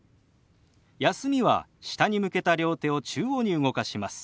「休み」は下に向けた両手を中央に動かします。